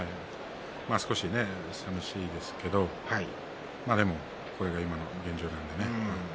少し寂しいですけどでも、これが今の現状なのでね。